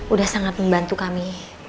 udah sangat membantu kami